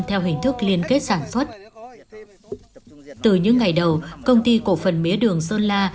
theo hình thức liên kết sản xuất từ những ngày đầu công ty cổ phần mía đường sơn la